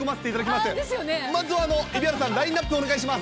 まず、蛯原さん、ラインナップお願いします。